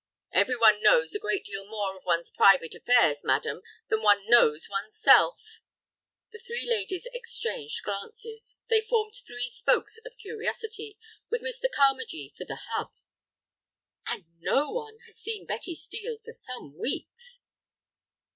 "Every one knows a great deal more of one's private affairs, madam, than one knows one's self." The three ladies exchanged glances; they formed three spokes of curiosity, with Mr. Carmagee for the hub. "And no one has seen Betty Steel for some weeks."